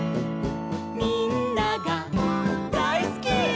「みんながだいすき！」